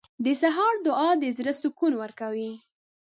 • د سهار دعا د زړه سکون ورکوي.